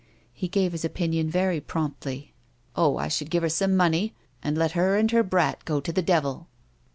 He gave his opinion very promptly. " Oh, I should give her some money, and let her and her brat go to the devil."